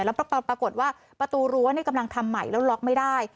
แล้วปรากฏว่าประตูรั้วนี่กำลังทำใหม่แล้วล็อกไม่ได้